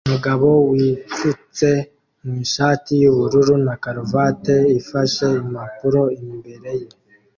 Umugabo wipfutse mu ishati yubururu na karuvati ifashe impapuro imbere ye